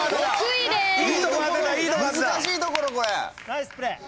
ナイスプレー。